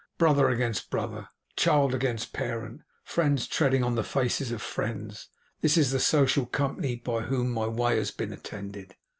Brother against brother, child against parent, friends treading on the faces of friends, this is the social company by whom my way has been attended.